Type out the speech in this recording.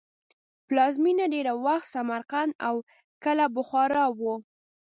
پلازمینه یې ډېر وخت سمرقند او کله بخارا وه.